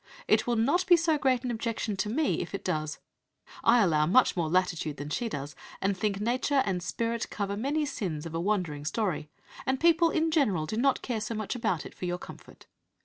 It will not be so great an objection to me if it does. I allow much more latitude than she does, and think nature and spirit cover many sins of a wandering story, and people in general do not care so much about it for your comfort....